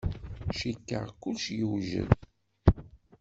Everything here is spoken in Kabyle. Cikkeɣ kullec yewjed.